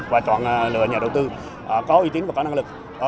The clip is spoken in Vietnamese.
và chọn lựa nhà đầu tư có uy tín và có năng lực